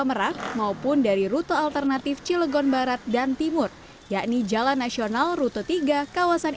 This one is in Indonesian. merak maupun dari rute alternatif cilegon barat dan timur yakni jalan nasional rute tiga kawasan